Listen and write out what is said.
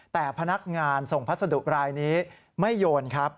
แต่พนักงานส่งพัสดุรายนี้ไม่โยนครับ